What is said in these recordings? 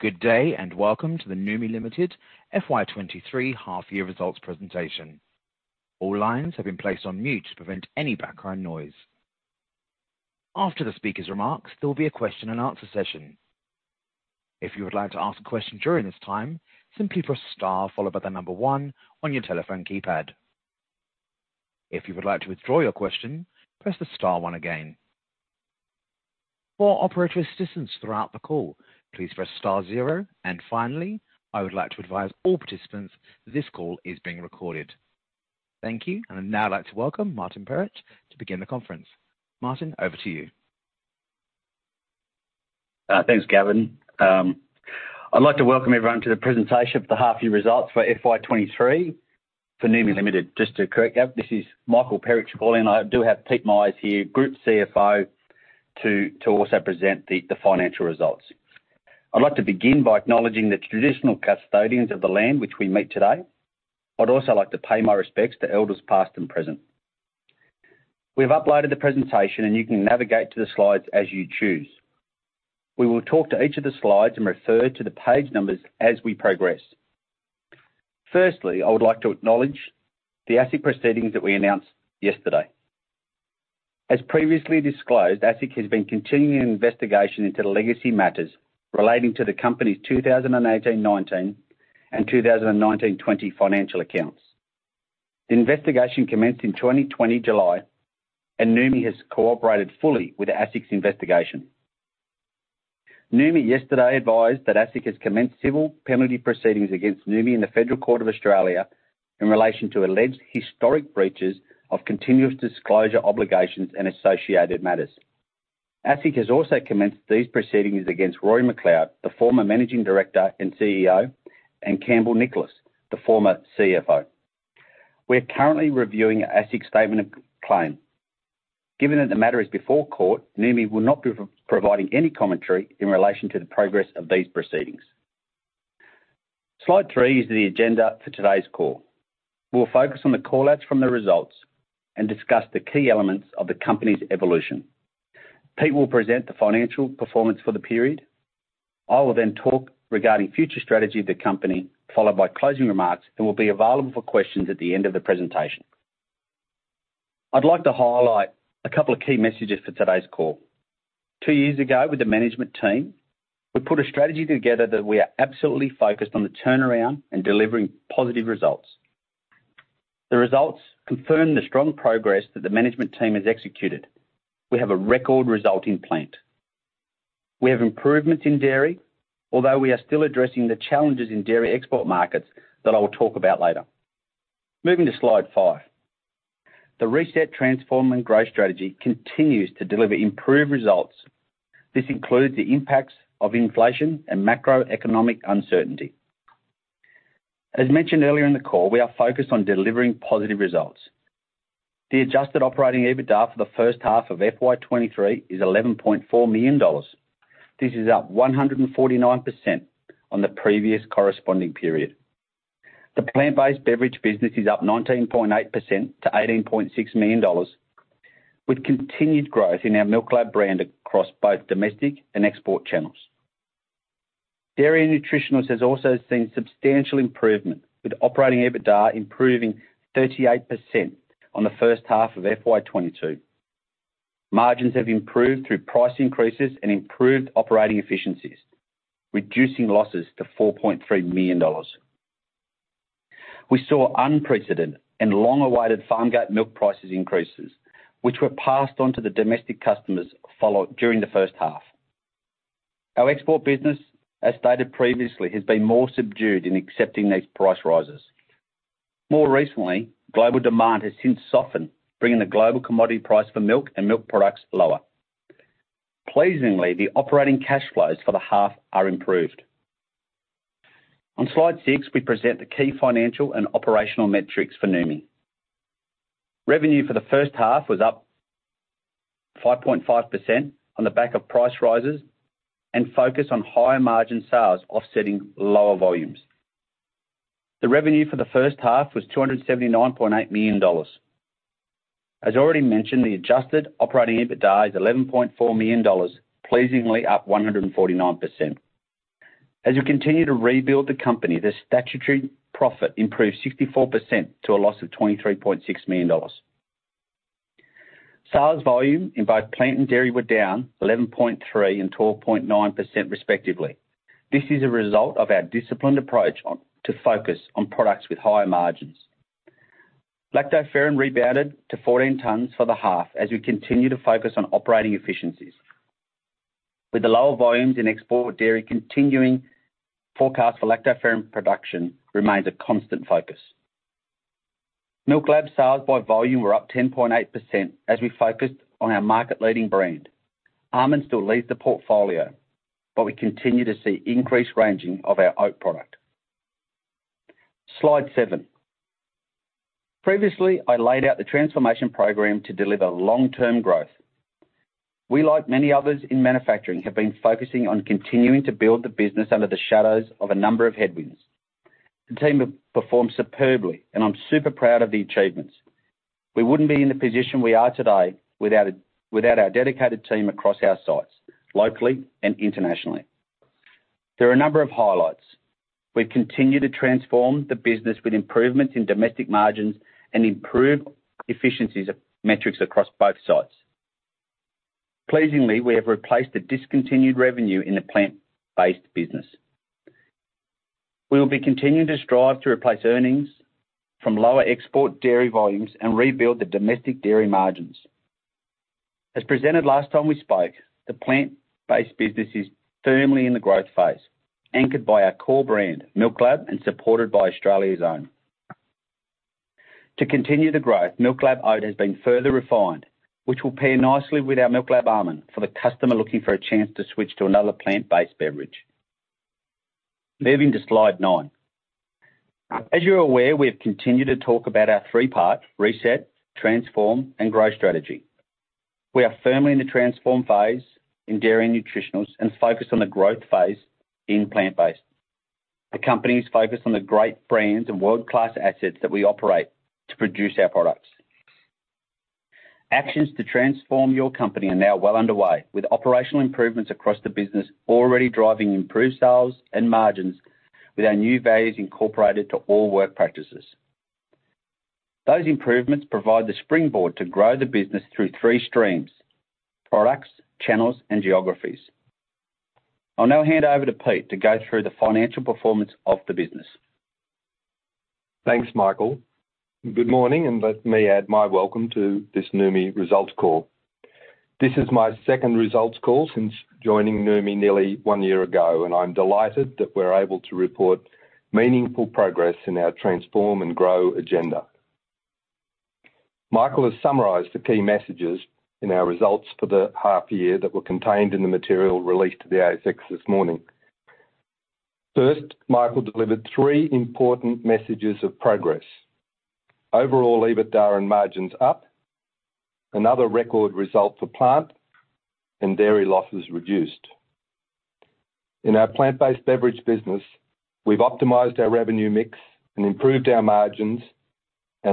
Good day, welcome to the Noumi Limited FY 2023 half year results presentation. All lines have been placed on mute to prevent any background noise. After the speaker's remarks, there'll be a question and answer session. If you would like to ask a question during this time, simply press star followed by one on your telephone keypad. If you would like to withdraw your question, press the star one again. For operator assistance throughout the call, please press star zero. Finally, I would like to advise all participants this call is being recorded. Thank you. I would now like to welcome Michael Perich to begin the conference. Martin, over to you. Thanks, Gavin. I'd like to welcome everyone to the presentation of the half year results for FY 2023 for Noumi Limited. Just to correct that, this is Michael Perich calling. I do have Peter Myers here, Group CFO, to also present the financial results. I'd like to begin by acknowledging the traditional custodians of the land which we meet today. I'd also like to pay my respects to elders past and present. We've uploaded the presentation. You can navigate to the slides as you choose. We will talk to each of the slides and refer to the page numbers as we progress. Firstly, I would like to acknowledge the ASIC proceedings that we announced yesterday. As previously disclosed, ASIC has been continuing investigation into the legacy matters relating to the company's 2018-19 and 2019-20 financial accounts. The investigation commenced in 2020 July. Noumi has cooperated fully with ASIC's investigation. Noumi yesterday advised that ASIC has commenced civil penalty proceedings against Noumi in the Federal Court of Australia in relation to alleged historic breaches of continuous disclosure obligations and associated matters. ASIC has also commenced these proceedings against Rory Macleod, the former managing director and CEO, and Campbell Nicholas, the former CFO. We're currently reviewing ASIC's statement of claim. Given that the matter is before court, Noumi will not be providing any commentary in relation to the progress of these proceedings. Slide 3 is the agenda for today's call. We'll focus on the call-outs from the results and discuss the key elements of the company's evolution. Pete will present the financial performance for the period. I will then talk regarding future strategy of the company, followed by closing remarks and will be available for questions at the end of the presentation. I'd like to highlight a couple of key messages for today's call. Two years ago, with the management team, we put a strategy together that we are absolutely focused on the turnaround and delivering positive results. The results confirm the strong progress that the management team has executed. We have a record result in plant. We have improvements in dairy, although we are still addressing the challenges in dairy export markets that I will talk about later. Moving to Slide 5. The reset, transform, and growth strategy continues to deliver improved results. This includes the impacts of inflation and macroeconomic uncertainty. As mentioned earlier in the call, we are focused on delivering positive results. The adjusted operating EBITDA for the first half of FY 2023 is AUD 11.4 million. This is up 149% on the previous corresponding period. The plant-based beverage business is up 19.8% to 18.6 million dollars, with continued growth in our MILKLAB brand across both domestic and export channels. Dairy Nutritionals has also seen substantial improvement, with operating EBITDA improving 38% on the first half of FY 2022. Margins have improved through price increases and improved operating efficiencies, reducing losses to 4.3 million dollars. We saw unprecedented and long-awaited farm-gate milk prices increases, which were passed on to the domestic customers during the first half. Our export business, as stated previously, has been more subdued in accepting these price rises. More recently, global demand has since softened, bringing the global commodity price for milk and milk products lower. Pleasingly, the operating cash flows for the half are improved. On Slide 6, we present the key financial and operational metrics for Noumi. Revenue for the first half was up 5.5% on the back of price rises and focus on higher-margin sales offsetting lower volumes. The revenue for the first half was 279.8 million dollars. As already mentioned, the adjusted operating EBITDA is 11.4 million dollars, pleasingly up 149%. As we continue to rebuild the company, the statutory profit improved 64% to a loss of 23.6 million dollars. Sales volume in both plant and dairy were down 11.3% and 12.9% respectively. This is a result of our disciplined approach to focus on products with higher margins. Lactoferrin rebounded to 14 tonnes for the half as we continue to focus on operating efficiencies. With the lower volumes in export dairy continuing, forecast for Lactoferrin production remains a constant focus. MILKLAB sales by volume were up 10.8% as we focused on our market-leading brand. Almond still leads the portfolio, but we continue to see increased ranging of our oat product. Slide 7. Previously, I laid out the transformation program to deliver long-term growth. We, like many others in manufacturing, have been focusing on continuing to build the business under the shadows of a number of headwinds. The team have performed superbly, and I'm super proud of the achievements. We wouldn't be in the position we are today without our dedicated team across our sites, locally and internationally. There are a number of highlights. We continue to transform the business with improvements in domestic margins and improve efficiencies of metrics across both sites. Pleasingly, we have replaced the discontinued revenue in the plant-based business. We will be continuing to strive to replace earnings from lower export dairy volumes and rebuild the domestic dairy margins. As presented last time we spoke, the plant-based business is firmly in the growth phase, anchored by our core brand, MILKLAB, and supported by Australia's Own. To continue the growth, MILKLAB Oat has been further refined, which will pair nicely with our MILKLAB Almond for the customer looking for a chance to switch to another plant-based beverage. Moving to Slide 9. As you're aware, we've continued to talk about our three-part reset, transform, and grow strategy. We are firmly in the transform phase in dairy Nutritionals and focused on the growth phase in plant-based. The company is focused on the great brands and world-class assets that we operate to produce our products. Actions to transform your company are now well underway, with operational improvements across the business already driving improved sales and margins with our new values incorporated to all work practices. Those improvements provide the springboard to grow the business through three streams: products, channels, and geographies. I'll now hand over to Pete to go through the financial performance of the business. Thanks, Michael. Good morning, let me add my welcome to this Noumi results call. This is my second results call since joining Noumi nearly one year ago, I'm delighted that we're able to report meaningful progress in our transform and grow agenda. Michael has summarized the key messages in our results for the half year that were contained in the material released to the ASX this morning. First, Michael delivered three important messages of progress. Overall EBITDA and margins up, another record result for plant, dairy losses reduced. In our plant-based beverage business, we've optimized our revenue mix and improved our margins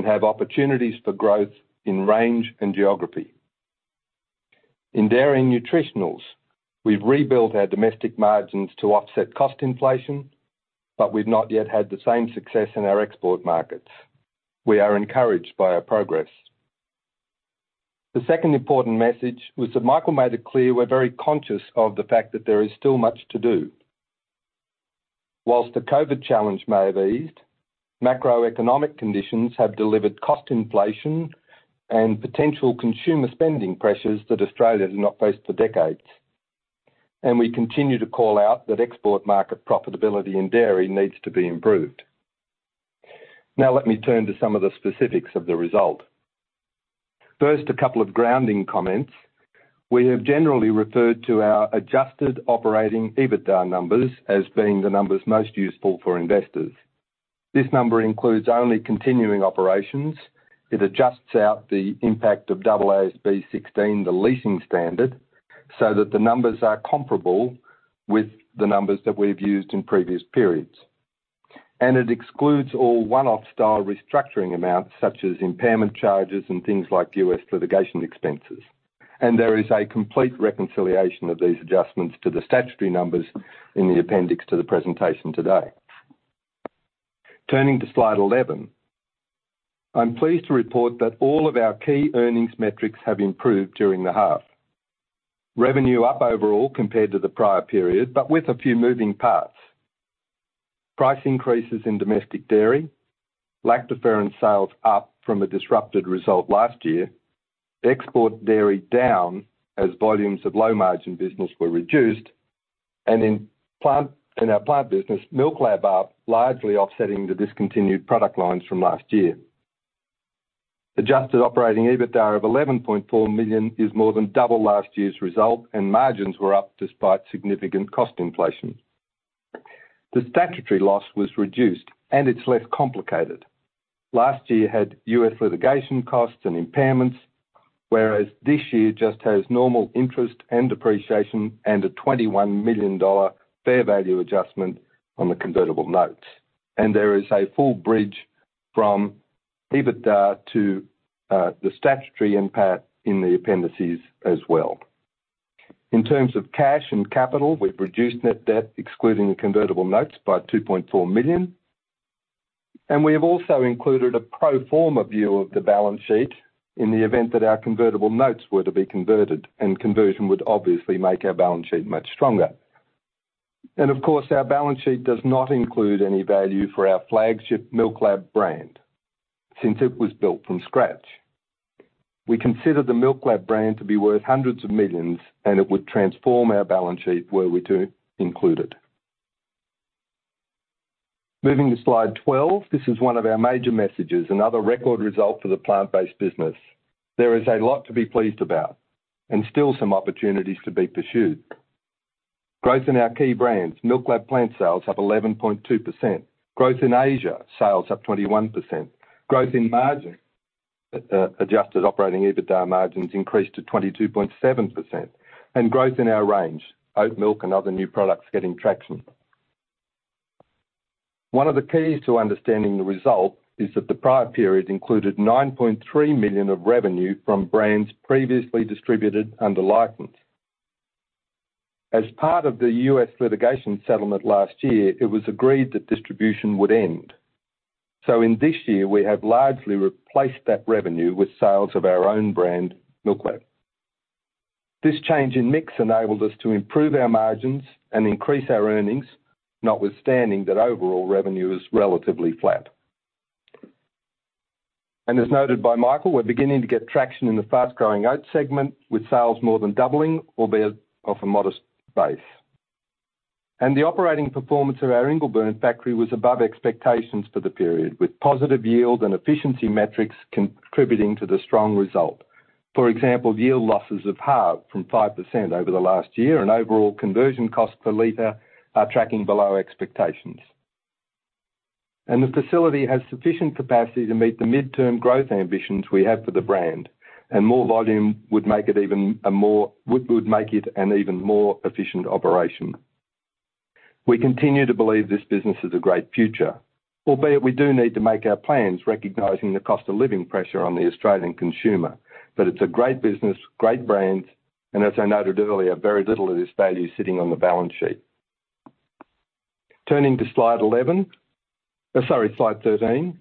have opportunities for growth in range and geography. In dairy nutritionals, we've rebuilt our domestic margins to offset cost inflation, we've not yet had the same success in our export markets. We are encouraged by our progress. The second important message was that Michael made it clear we're very conscious of the fact that there is still much to do. Whilst the COVID challenge may have eased, macroeconomic conditions have delivered cost inflation and potential consumer spending pressures that Australia has not faced for decades. We continue to call out that export market profitability in dairy needs to be improved. Let me turn to some of the specifics of the result. A couple of grounding comments. We have generally referred to our adjusted operating EBITDA numbers as being the numbers most useful for investors. This number includes only continuing operations. It adjusts out the impact of AASB 16, the leasing standard, so that the numbers are comparable with the numbers that we've used in previous periods. It excludes all one-off style restructuring amounts such as impairment charges and things like US litigation expenses. There is a complete reconciliation of these adjustments to the statutory numbers in the appendix to the presentation today. Turning to Slide 11, I'm pleased to report that all of our key earnings metrics have improved during the half. Revenue up overall compared to the prior period, but with a few moving parts. Price increases in domestic dairy, lactoferrin sales up from a disrupted result last year. Export dairy down as volumes of low-margin business were reduced. In our plant business, MILKLAB up, largely offsetting the discontinued product lines from last year. Adjusted operating EBITDA of 11.4 million is more than double last year's result, and margins were up despite significant cost inflation. The statutory loss was reduced and it's less complicated. Last year had US litigation costs and impairments, whereas this year just has normal interest and depreciation and a 21 million dollar fair value adjustment on the convertible notes. There is a full bridge from EBITDA to the statutory impact in the appendices as well. In terms of cash and capital, we've reduced net debt, excluding the convertible notes by 2.4 million. We have also included a pro forma view of the balance sheet in the event that our convertible notes were to be converted. Conversion would obviously make our balance sheet much stronger. Of course, our balance sheet does not include any value for our flagship MILKLAB brand since it was built from scratch. We consider the MILKLAB brand to be worth hundreds of millions and it would transform our balance sheet were we to include it. Moving to Slide 12. This is one of our major messages, another record result for the plant-based business. There is a lot to be pleased about and still some opportunities to be pursued. Growth in our key brands, MILKLAB plant sales up 11.2%. Growth in Asia, sales up 21%. Growth in margin. Adjusted operating EBITDA margins increased to 22.7% and growth in our range, oat milk and other new products getting traction. One of the keys to understanding the result is that the prior period included 9.3 million of revenue from brands previously distributed under licence. As part of the US litigation settlement last year, it was agreed that distribution would end. In this year we have largely replaced that revenue with sales of our own brand, MILKLAB. This change in mix enabled us to improve our margins and increase our earnings, notwithstanding that overall revenue is relatively flat. As noted by Michael, we're beginning to get traction in the fast-growing oat segment with sales more than doubling, albeit off a modest base. The operating performance of our Ingleburn factory was above expectations for the period, with positive yield and efficiency metrics contributing to the strong result. For example, yield losses have halved from 5% over the last year and overall conversion cost per liter are tracking below expectations. The facility has sufficient capacity to meet the midterm growth ambitions we have for the brand, and more volume would make it an even more efficient operation. We continue to believe this business has a great future, albeit we do need to make our plans recognizing the cost of living pressure on the Australian consumer. It's a great business, great brands, and as I noted earlier, very little of this value is sitting on the balance sheet. Turning to Slide 11. Sorry, Slide 13,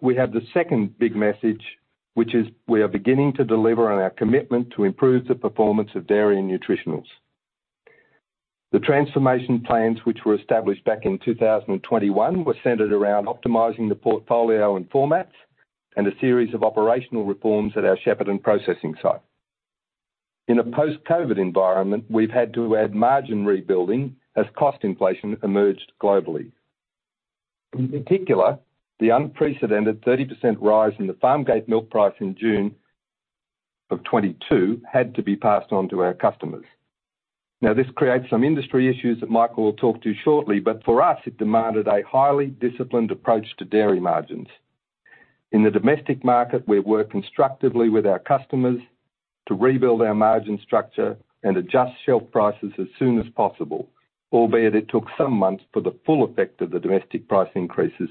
we have the second big message, which is we are beginning to deliver on our commitment to improve the performance of Dairy and Nutritionals. The transformation plans which were established back in 2021 were centered around optimizing the portfolio and formats and a series of operational reforms at our Shepparton processing site. In a post-COVID environment, we've had to add margin rebuilding as cost inflation emerged globally. In particular, the unprecedented 30% rise in the farm gate milk price in June of 2022 had to be passed on to our customers. This creates some industry issues that Michael will talk to shortly, but for us, it demanded a highly disciplined approach to dairy margins. In the domestic market, we work constructively with our customers to rebuild our margin structure and adjust shelf prices as soon as possible, albeit it took some months for the full effect of the domestic price increases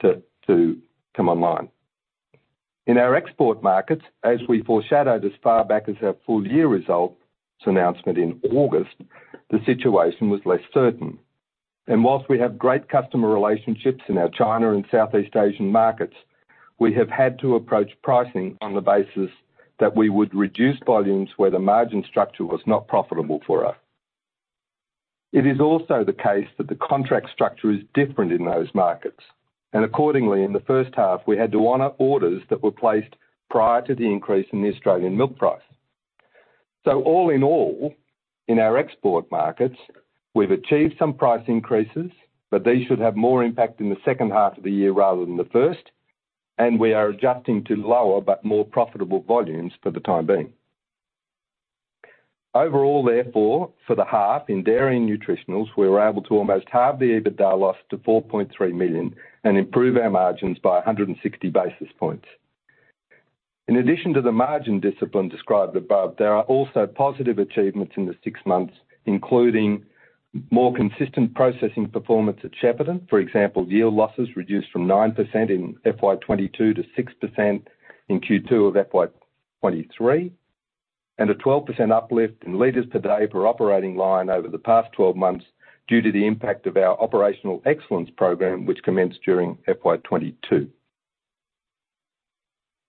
to come online. In our export markets, as we foreshadowed as far back as our full-year results announcement in August, the situation was less certain. Whilst we have great customer relationships in our China and Southeast Asian markets, we have had to approach pricing on the basis that we would reduce volumes where the margin structure was not profitable for us. It is also the case that the contract structure is different in those markets, and accordingly, in the first half, we had to honor orders that were placed prior to the increase in the Australian milk price. All in all, in our export markets, we've achieved some price increases, but these should have more impact in the second half of the year rather than the first. We are adjusting to lower but more profitable volumes for the time being. Overall, therefore, for the half in Dairy and Nutritionals, we were able to almost halve the EBITDA loss to 4.3 million and improve our margins by 160 basis points. In addition to the margin discipline described above, there are also positive achievements in the six months, including more consistent processing performance at Shepparton. For example, yield losses reduced from 9% in FY 2022 to 6% in Q2 of FY 2023, a 12% uplift in liters per day per operating line over the past 12 months due to the impact of our operational excellence program, which commenced during FY 2022.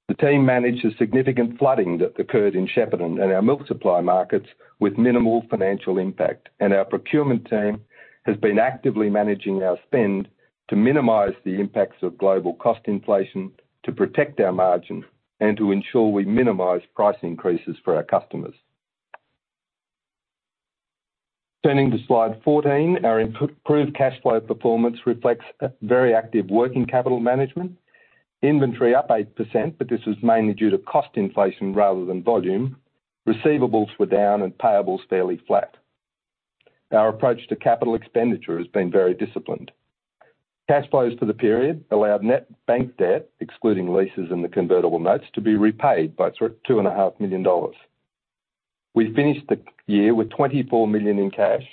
The team managed a significant flooding that occurred in Shepparton and our milk supply markets with minimal financial impact. Our procurement team has been actively managing our spend to minimize the impacts of global cost inflation, to protect our margin, and to ensure we minimize price increases for our customers. Turning to Slide 14, our improved cash flow performance reflects very active working capital management. Inventory up 8%, this was mainly due to cost inflation rather than volume. Receivables were down and payables fairly flat. Our approach to capital expenditure has been very disciplined. Cash flows for the period allowed net bank debt, excluding leases and the convertible notes, to be repaid by $2.5 million. We finished the half-year with $24 million in cash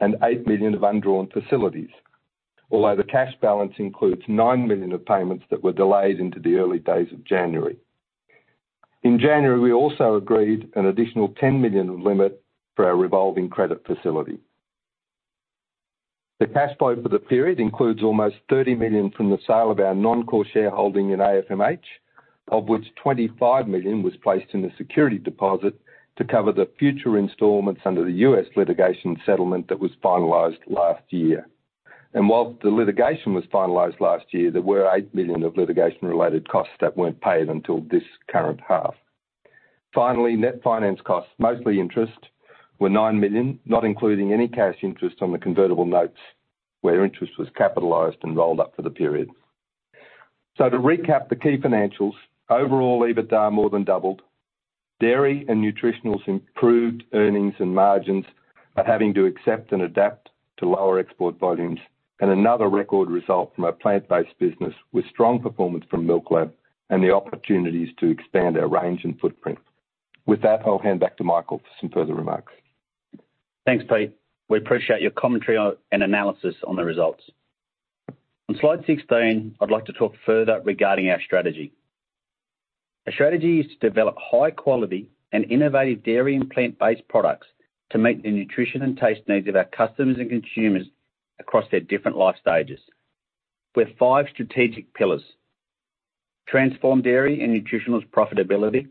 and $8 million of undrawn facilities. The cash balance includes $9 million of payments that were delayed into the early days of January. In January, we also agreed an additional $10 million of limit for our revolving credit facility. The cash flow for the period includes almost $30 million from the sale of our non-core shareholding in AFMH, of which $25 million was placed in a security deposit to cover the future installments under the U.S. litigation settlement that was finalized last year. While the litigation was finalized last year, there were $8 million of litigation-related costs that weren't paid until this current half. Net finance costs, mostly interest, were 9 million, not including any cash interest on the convertible notes, where interest was capitalized and rolled up for the period. To recap the key financials, overall EBITDA more than doubled. Dairy and Nutritionals improved earnings and margins are having to accept and adapt to lower export volumes, and another record result from our plant-based business, with strong performance from MILKLAB and the opportunities to expand our range and footprint. With that, I'll hand back to Michael for some further remarks. Thanks, Pete. We appreciate your commentary on, and analysis on the results. On Slide 16, I'd like to talk further regarding our strategy. Our strategy is to develop high quality and innovative Dairy and Nutritionals and plant-based products to meet the nutrition and taste needs of our customers and consumers across their different life stages. We have five strategic pillars. Transform Dairy and Nutritionals profitability,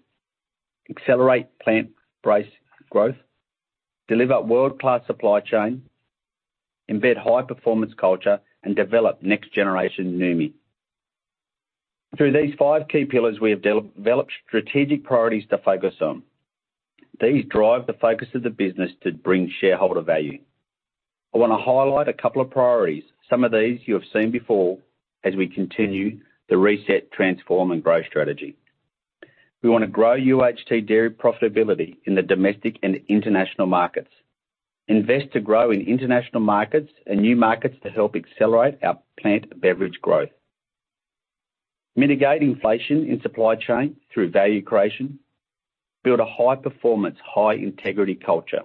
accelerate plant-based growth, deliver world-class supply chain, embed high performance culture, and develop next generation Noumi. Through these five key pillars, we have developed strategic priorities to focus on. These drive the focus of the business to bring shareholder value. I wanna highlight a couple of priorities. Some of these you have seen before as we continue the reset, transform, and grow strategy. We wanna grow UHT dairy profitability in the domestic and international markets, invest to grow in international markets and new markets to help accelerate our plant beverage growth. Mitigate inflation in supply chain through value creation. Build a high-performance, high-integrity culture.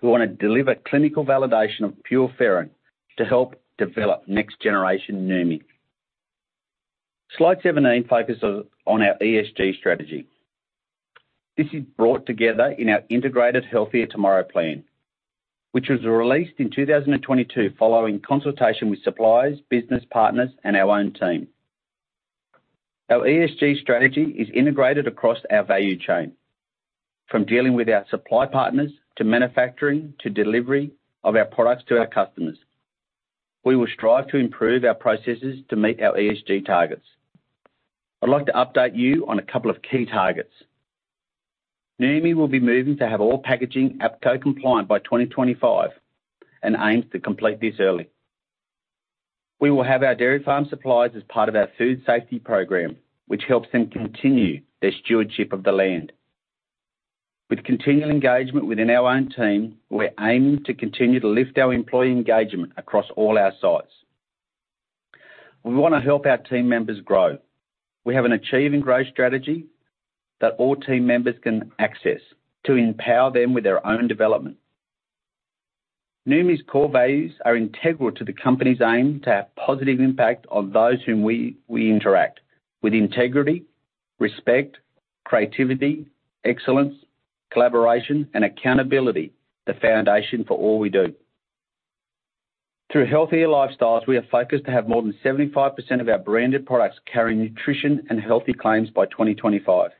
We wanna deliver clinical validation of PUREnFERRIN to help develop next generation Noumi. Slide 17 focuses on our ESG strategy. This is brought together in our integrated Healthier Tomorrow Plan, which was released in 2022 following consultation with suppliers, business partners, and our own team. Our ESG strategy is integrated across our value chain, from dealing with our supply partners, to manufacturing, to delivery of our products to our customers. We will strive to improve our processes to meet our ESG targets. I'd like to update you on a couple of key targets. Noumi will be moving to have all packaging APCO compliant by 2025, and aims to complete this early. We will have our dairy farm suppliers as part of our food safety program, which helps them continue their stewardship of the land. With continual engagement within our own team, we're aiming to continue to lift our employee engagement across all our sites. We wanna help our team members grow. We have an achieve and grow strategy that all team members can access to empower them with their own development. Noumi's core values are integral to the company's aim to have positive impact on those whom we interact. With integrity, respect, creativity, excellence, collaboration, and accountability, the foundation for all we do. Through healthier lifestyles, we are focused to have more than 75% of our branded products carry nutrition and healthy claims by 2025.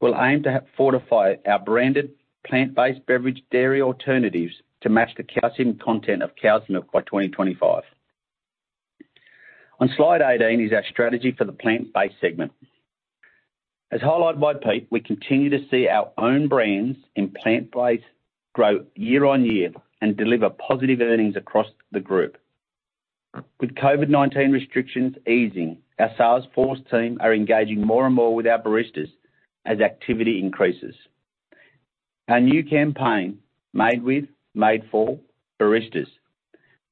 We'll aim to fortify our branded plant-based beverage dairy alternatives to match the calcium content of cow's milk by 2025. On Slide 18 is our strategy for the plant-based segment. As highlighted by Pete, we continue to see our own brands in plant-based grow year on year and deliver positive earnings across the group. With COVID-19 restrictions easing, our sales force team are engaging more and more with our baristas as activity increases. Our new campaign, Made with. Made for. Baristas.,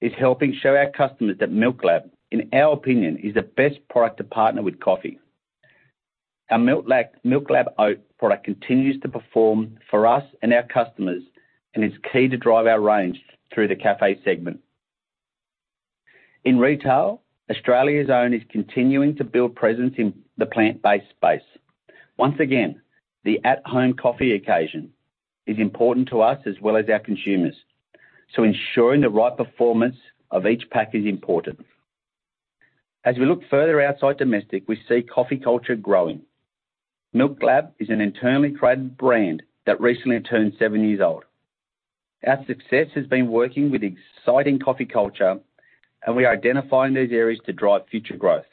is helping show our customers that MILKLAB, in our opinion, is the best product to partner with coffee. Our MILKLAB Oat product continues to perform for us and our customers and is key to drive our range through the cafe segment. In retail, Australia's Own is continuing to build presence in the plant-based space. Once again, the at-home coffee occasion is important to us as well as our consumers, so ensuring the right performance of each pack is important. As we look further outside domestic, we see coffee culture growing. MILKLAB is an internally traded brand that recently turned seven years old. Our success has been working with exciting coffee culture, and we are identifying these areas to drive future growth.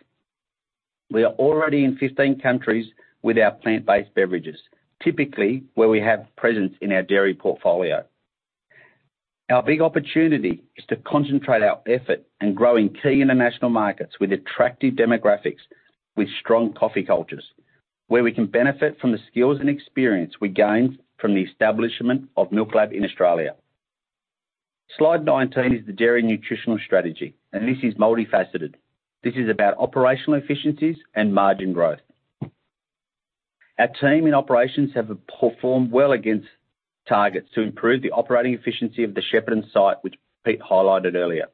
We are already in 15 countries with our plant-based beverages, typically where we have presence in our dairy portfolio. Our big opportunity is to concentrate our effort in growing key international markets with attractive demographics, with strong coffee cultures, where we can benefit from the skills and experience we gained from the establishment of MILKLAB in Australia. Slide 19 is the Dairy Nutritional strategy, and this is multifaceted. This is about operational efficiencies and margin growth. Our team in operations have performed well against targets to improve the operating efficiency of the Shepparton site, which Pete highlighted earlier.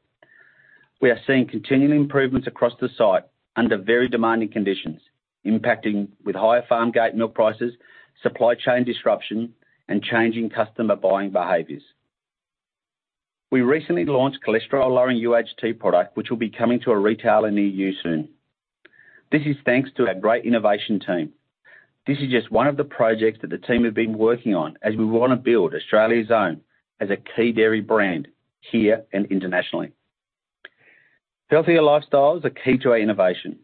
We are seeing continuing improvements across the site under very demanding conditions, impacting with higher farm gate milk prices, supply chain disruption, and changing customer buying behaviors. We recently launched cholesterol-lowering UHT product, which will be coming to a retailer near you soon. This is thanks to our great innovation team. This is just one of the projects that the team have been working on as we wanna build Australia's Own as a key dairy brand here and internationally. Healthier lifestyles are key to our innovation.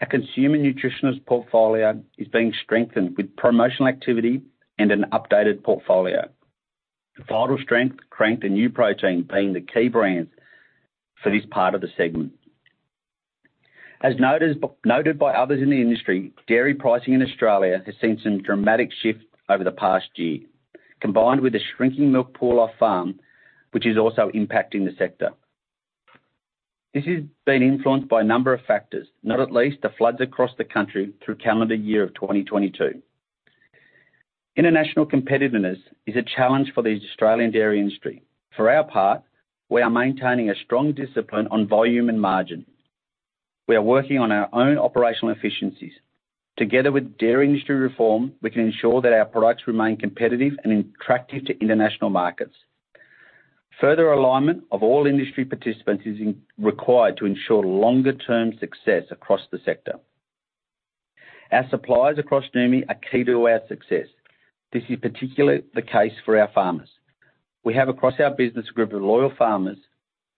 Our Consumer Nutritionals portfolio is being strengthened with promotional activity and an updated portfolio. Vitalstrength, Crankt, and UProtein being the key brands for this part of the segment. As noted by others in the industry, dairy pricing in Australia has seen some dramatic shifts over the past year, combined with the shrinking milk pool off-farm, which is also impacting the sector. This has been influenced by a number of factors, not at least the floods across the country through calendar year 2022. International competitiveness is a challenge for the Australian dairy industry. For our part, we are maintaining a strong discipline on volume and margin. We are working on our own operational efficiencies. Together with dairy industry reform, we can ensure that our products remain competitive and attractive to international markets. Further alignment of all industry participants is required to ensure longer-term success across the sector. Our suppliers across Noumi are key to our success. This is particularly the case for our farmers. We have, across our business, a group of loyal farmers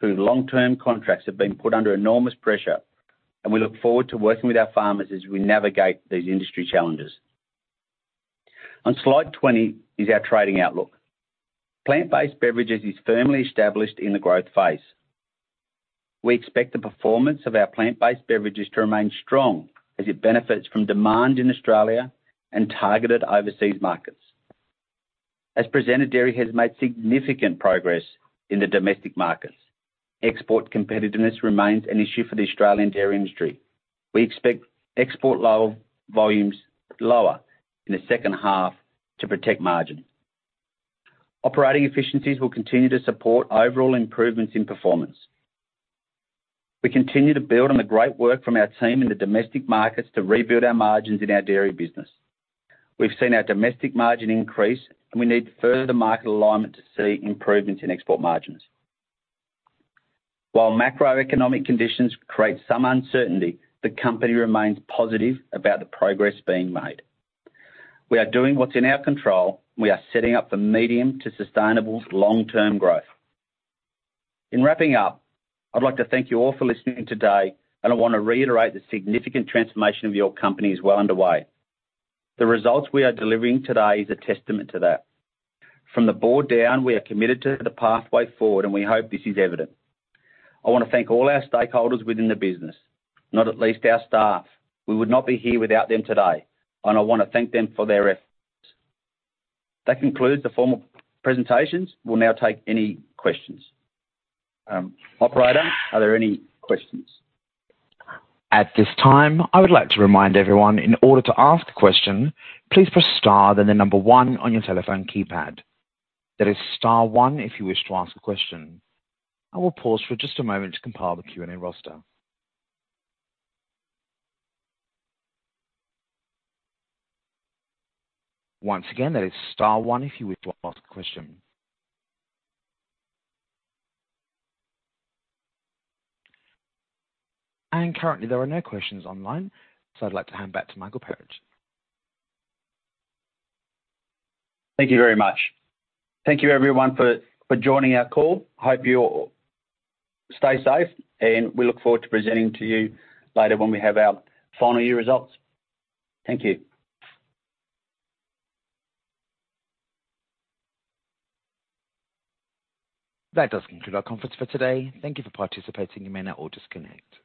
whose long-term contracts have been put under enormous pressure. We look forward to working with our farmers as we navigate these industry challenges. On Slide 20 is our trading outlook. Plant-based beverages is firmly established in the growth phase. We expect the performance of our plant-based beverages to remain strong as it benefits from demand in Australia and targeted overseas markets. As presented, Dairy has made significant progress in the domestic markets. Export competitiveness remains an issue for the Australian dairy industry. We expect export level volumes lower in the second half to protect margin. Operating efficiencies will continue to support overall improvements in performance. We continue to build on the great work from our team in the domestic markets to rebuild our margins in our dairy business. We've seen our domestic margin increase, and we need further market alignment to see improvements in export margins. While macroeconomic conditions create some uncertainty, the company remains positive about the progress being made. We are doing what's in our control. We are setting up for medium to sustainable long-term growth. In wrapping up, I'd like to thank you all for listening today, and I want to reiterate the significant transformation of your company is well underway. The results we are delivering today is a testament to that. From the board down, we are committed to the pathway forward, and we hope this is evident. I wanna thank all our stakeholders within the business, not at least our staff. We would not be here without them today, and I wanna thank them for their efforts. That concludes the formal presentations. We'll now take any questions. Operator, are there any questions? At this time, I would like to remind everyone, in order to ask a question, please press star, then the number one on your telephone keypad. That is star one if you wish to ask a question. I will pause for just a moment to compile the Q&A roster. Once again, that is star one if you wish to ask a question. Currently, there are no questions online, so I'd like to hand back to Michael Perich. Thank you very much. Thank you, everyone, for joining our call. Hope you all stay safe, we look forward to presenting to you later when we have our final year results. Thank you. That does conclude our conference for today. Thank you for participating. You may now all disconnect.